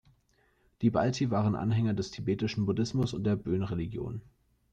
Die Balti waren Anhänger des Tibetischen Buddhismus und der Bön-Religion.